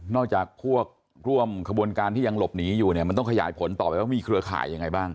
จากพวกร่วมขบวนการที่ยังหลบหนีอยู่เนี่ยมันต้องขยายผลต่อไปว่ามีเครือข่ายยังไงบ้าง